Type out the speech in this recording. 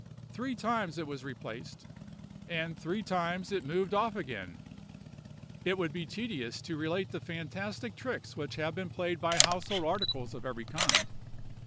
Three times it was replaced, and three times it moved off again. It would be tedious to relate the fantastic tricks which have been played by household articles of every kind.